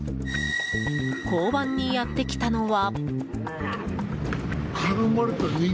交番にやってきたのは。